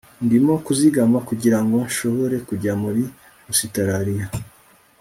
Ndimo kuzigama kugirango nshobore kujya muri Ositaraliya